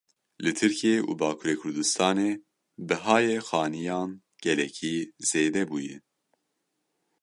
Li Tirkiye û Bakurê Kurdistanê bihayê xaniyan gelekî zêde bûye.